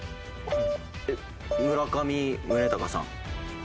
えっ村上宗隆さん。